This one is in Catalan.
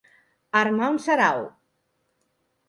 Armar un sarau.